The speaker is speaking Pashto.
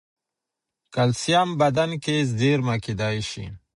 کلسیم بدن کې زېرمه کېدای شي.